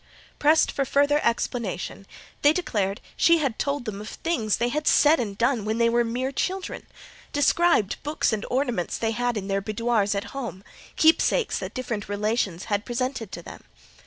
Pressed for further explanation, they declared she had told them of things they had said and done when they were mere children; described books and ornaments they had in their boudoirs at home: keepsakes that different relations had presented to them.